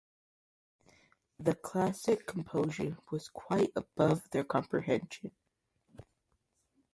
This classic composition was quite above their comprehension.